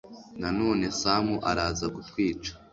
nanone samu araza kutwica